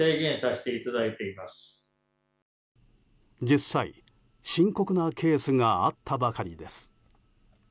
実際、深刻なケースがあったばかりです。